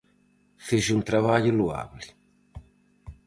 Fixo un traballo loable.